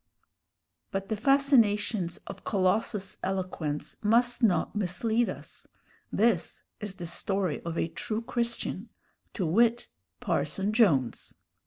But the fascinations of Colossus's eloquence must not mislead us; this is the story of a true Christian; to wit, Parson Jones.